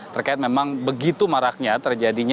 terkait memang begitu maraknya terjadinya